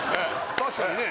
確かにね